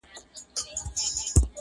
لکه وروڼه په قسمت به شریکان یو!